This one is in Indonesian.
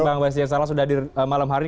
bang bastian salah sudah hadir malam hari ini